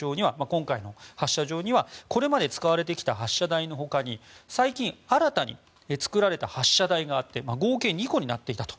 今回の発射場にはこれまで使われてきた発射台の他に最近、新たに作られた発射台があって合計２個になっていたと。